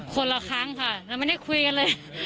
คนละครั้งค่ะเราไม่ได้คุยกันเลย